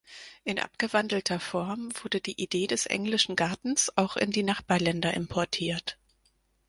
In abgewandelter Form wurde die Idee des englischen Gartens auch in die Nachbarländer importiert.